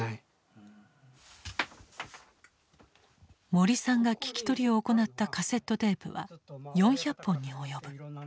森さんが聞き取りを行ったカセットテープは４００本に及ぶ。